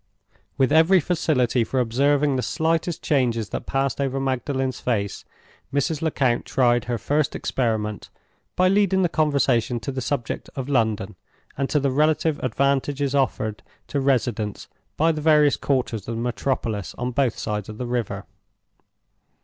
With every facility for observing the slightest changes that passed over Magdalen's face, Mrs. Lecount tried her first experiment by leading the conversation to the subject of London, and to the relative advantages offered to residents by the various quarters of the metropolis on both sides of the river.